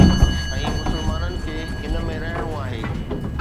۽ مسلمانن کي ان ۾ رهڻو آهي.